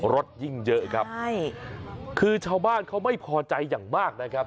รถยิ่งเยอะครับใช่คือชาวบ้านเขาไม่พอใจอย่างมากนะครับ